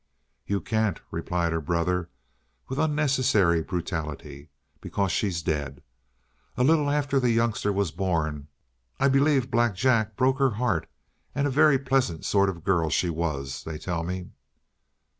"You can't," replied her brother, with unnecessary brutality. "Because she's dead. A little after the youngster was born. I believe Black Jack broke her heart, and a very pleasant sort of girl she was, they tell me."